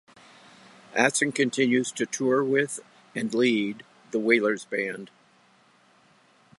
Aston continues to tour with and lead The Wailers Band.